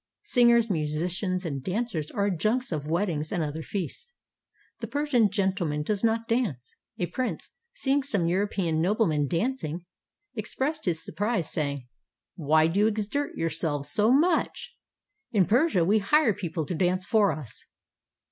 Singers, musicians, and dancers are adjuncts of weddings and other feasts. The Persian gentleman does not dance. A prince, seeing some European noblemen dancing, 442 NEW YEAR'S CALLS AND GIFTS expressed his surprise, saying, "Why do you exert your selves so much? In Persia we hire people to dance for us."